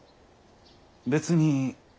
別に。